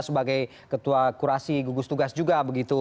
sebagai ketua kurasi gugus tugas juga begitu